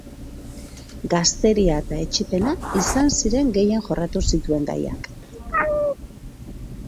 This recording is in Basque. Gazteria eta etsipena izan ziren gehien jorratu zituen gaiak.